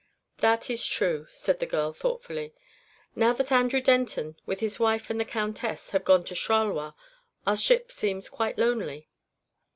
"That is true," said the girl, thoughtfully. "Now that Andrew Denton, with his wife and the countess, have gone to Charleroi, our ship seems quite lonely."